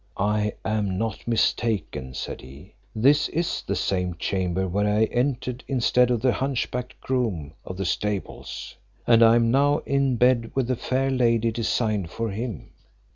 "I am not mistaken," said he; "this is the same chamber where I entered instead of the hunch backed groom of the stables; and I am now in bed with the fair lady designed for him."